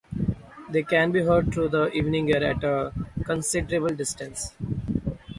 They can be heard through the evening air at a considerable distance.